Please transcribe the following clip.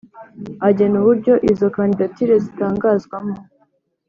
agena uburyo izo kandidatire zitangazwamo